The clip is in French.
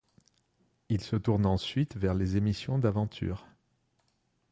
Il se tourne ensuite vers les émissions d'aventure.